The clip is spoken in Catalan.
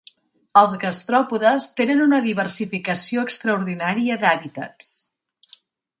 Els gastròpodes tenen una diversificació extraordinària d'hàbitats.